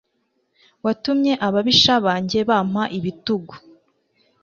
watumye ababisha banjye bampa ibitugu